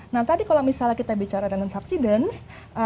nah tadi kalau misalnya kita bicara dengan subsidence